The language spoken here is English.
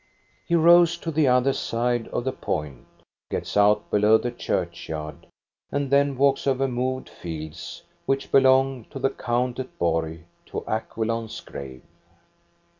He rows to the other side of the point, gets out below the churchyard, and then walks over mowed fields, which belong to the count at Borg, to Acqui lon's grave.